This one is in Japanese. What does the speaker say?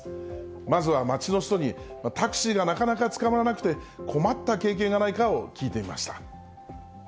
まずは街の人に、タクシーがなかなかつかまらなくて、困った経験がないかを聞いてみました。